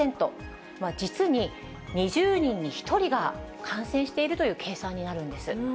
実に２０人に１人が感染しているという計算になるんです。